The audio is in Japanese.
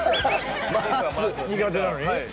苦手なのに？